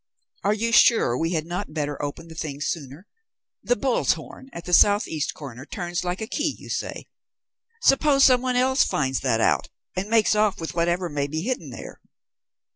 Are you sure we had not better open the thing sooner? The bull's horn at the south east corner turns like a key, you say? Suppose some one else finds that out and makes off with whatever may be hidden there."